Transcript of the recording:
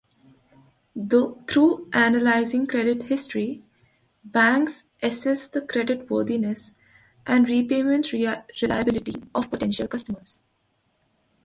Through analyzing credit history, banks assess the creditworthiness and repayment reliability of potential customers.